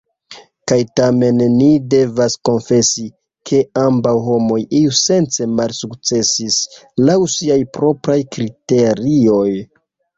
Kaj tamen ni devas konfesi, ke ambaŭ homoj iusence malsukcesis, laŭ siaj propraj kriterioj.